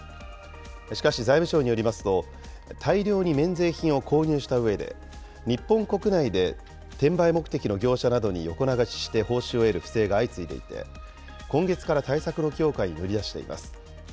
しかし財務省によりますと、大量に免税品を購入したうえで、日本国内で転売目的の業者などに横流しして報酬を得る不正が相次いでいて、今月から対策の強化に乗り出しています。